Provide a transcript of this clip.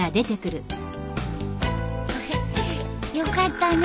よかったね。